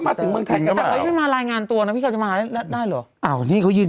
มาสินี่เขาก็รายงานไปแล้ว